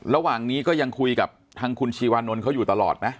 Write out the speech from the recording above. ระหว่างนี้ก็ยังคุยกับทางคุณชีวานนท์เขาอยู่ตลอดไหม